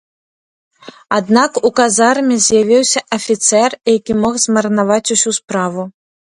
Аднак, у казарме з'явіўся афіцэр, які мог змарнаваць усю справу.